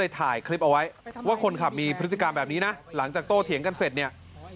ถ่ายคลิปเอาไว้ว่าคนขับมีพฤติกรรมแบบนี้นะหลังจากโตเถียงกันเสร็จเนี่ย